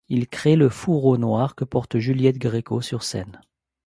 Il crée le fourreau noir que porte Juliette Gréco sur scène.